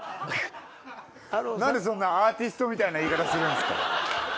何でそんなアーティストみたいな言い方するんですか？